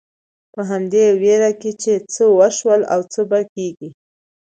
په همدې وېره کې چې څه وشول او څه به کېږي.